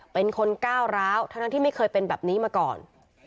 เป็นคนก้าวร้าวทั้งที่ไม่เคยเป็นแบบนี้มาก่อน